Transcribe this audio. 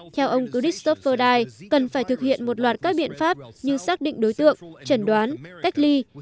theo ông christopherdai cần phải thực hiện một loạt các biện pháp như xác định đối tượng trần đoán cách ly